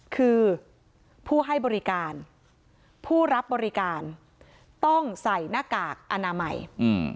คือผู้ให้บริการผู้รับบริการต้องใส่หน้ากากอนามัยอืม